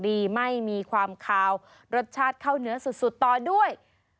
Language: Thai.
เจ้าเก่ามหาชัย